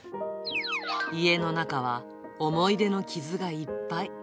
家の中は思いでの傷がいっぱい。